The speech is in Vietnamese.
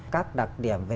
các đặc điểm về